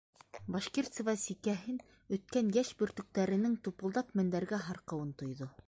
- Башкирцева сикәһен өткән йәш бөртөктәренең тупылдап мендәргә һарҡыуын тойҙо.